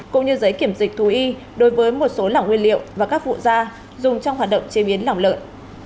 cũng như giấy kiểm dịch thú y đối với một số lỏng nguyên liệu và các vụ da dùng trong hoạt động chế biến lỏng lợn